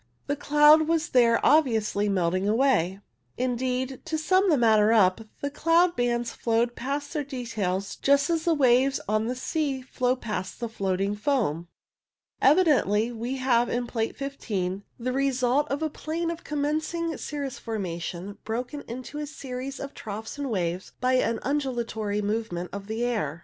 The cloud was there obviously melting away. Indeed, to sum the matter up, the cloud bands flowed past their details just as the waves on the sea flow past the floating foam. Evidently we have in Plate 15 the result of a plane of 48 CIRRO STRATUS AND CIRRO CUMULUS commencing cirrus formation broken into a series of troughs and waves by an undulatory movement of the air.